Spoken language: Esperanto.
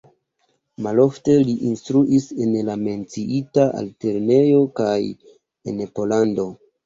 Malofte li instruis en la menciita altlernejo kaj en Pollando.